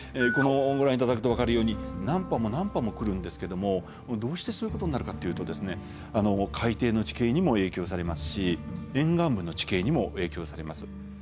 このご覧頂くと分かるように何波も何波も来るんですけどもどうしてそういうことになるかというと海底の地形にも影響されますし沿岸部の地形にも影響されます。